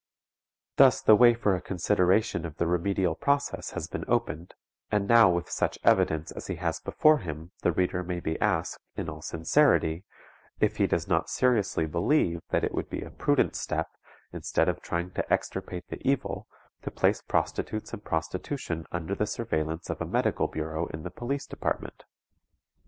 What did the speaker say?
Thus the way for a consideration of the remedial process has been opened, and now with such evidence as he has before him the reader may be asked, in all sincerity, if he does not seriously believe that _it would be a prudent step, instead of trying to extirpate the evil, to place prostitutes and prostitution under the surveillance of a medical bureau in the Police Department_?